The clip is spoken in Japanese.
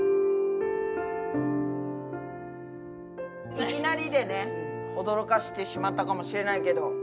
いきなりでね驚かせてしまったかもしれないけど。